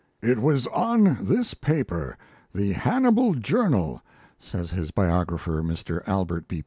"It was on this paper, the 'Hannibal Journal'," says his biographer, Mr. Albert B.